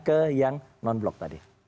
ke yang non blok tadi